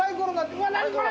うわ何これ！